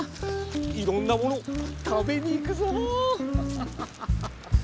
いろんなものを食べにいくぞ！